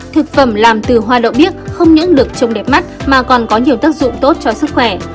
thực phẩm làm từ hoa đậu không những được trồng đẹp mắt mà còn có nhiều tác dụng tốt cho sức khỏe